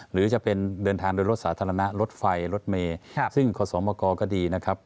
หรือจะเป็นเดินทางโดยรถสาธารณะรถไฟรถเมย์ซึ่งขอสมกก็ดีนะครับ